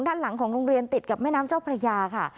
ด้านหลังของโรงเรียนติดกับแม่น้ำเจ้าพระยาค่ะ